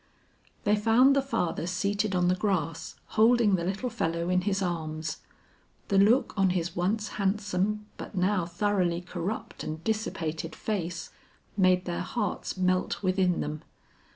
They found the father seated on the grass holding the little fellow in his arms. The look on his once handsome but now thoroughly corrupt and dissipated face, made their hearts melt within them.